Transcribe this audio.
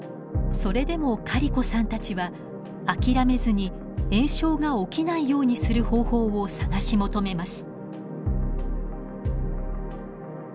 それでもカリコさんたちは諦めずに炎症が起きないようにする方法を探し求めます。